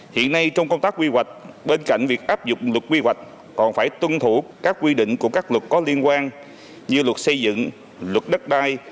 hiện nay trong công tác quy hoạch bên cạnh việc áp dụng luật quy hoạch còn phải tuân thủ các quy định của các luật có liên quan như luật xây dựng luật đất đai